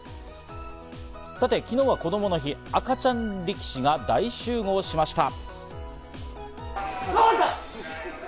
さて昨日はこどもの日、赤ちゃん力士が大集合しました。